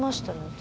私。